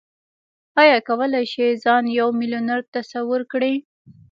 ايا کولای شئ ځان يو ميليونر تصور کړئ؟